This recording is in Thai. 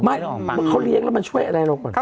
ไม่มันเค้าเลี้ยงแล้วมันช่วยอะไรละ